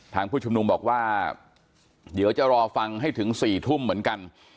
ผู้ชุมนุมบอกว่าเดี๋ยวจะรอฟังให้ถึง๔ทุ่มเหมือนกัน